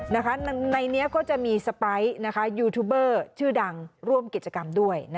ในนี้ก็จะมีสไปร์ยูทูบเบอร์ชื่อดังร่วมกิจกรรมด้วย